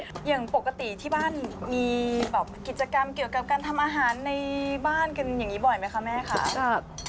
ทำอะไรอยู่เอ่ยโอ้โหได้กลิ่นขนาดนี้อย่างปกติที่บ้านมีกิจกรรมเกี่ยวกับการทำอาหารในบ้านกันอย่างนี้บ่อยไหมคะแม่คะ